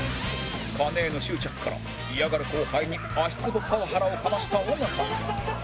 金への執着から嫌がる後輩に足つぼパワハラをかました尾形